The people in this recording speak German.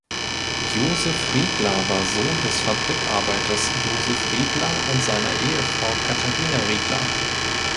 Josef Riegler war Sohn des Fabrikarbeiters Josef Riegler und seiner Ehefrau Katharina Riegler.